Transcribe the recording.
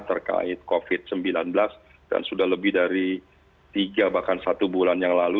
terkait covid sembilan belas dan sudah lebih dari tiga bahkan satu bulan yang lalu